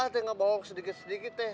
apa nanti ngebohong sedikit sedikit ya